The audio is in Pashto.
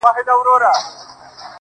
تا ولي هر څه اور ته ورکړل د یما لوري.